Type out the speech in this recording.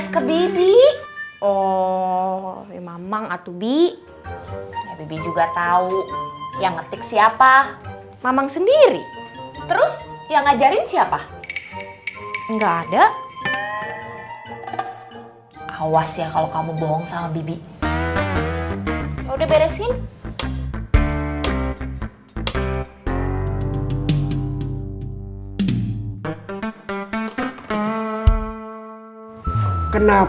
kenapa orang menganggap kamu baik